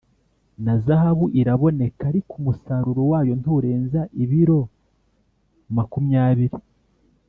na zahabu iraboneka, ariko umusaruro wayo nturenza ibiro ma kumyabiri